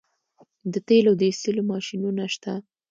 د تیلو د ایستلو ماشینونه شته.